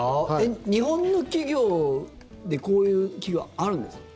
日本の企業でこういう企業、あるんですか？